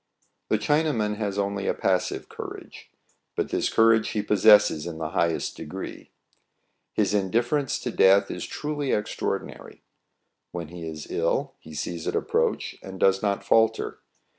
The Chinaman has only a passive courage, but this courage he possesses in the highest degree. His indifference to death is truly extraordinary. When he is ill, he sees it approach, and does not falter.